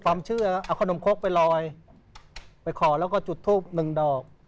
ความเชื่อเอาขนมคกไปลอยไปขอแล้วก็จุดทูบหนึ่งดอก